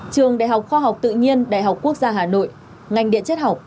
trường đại học khoa học tự nhiên đại học quốc gia hà nội ngành điện chất học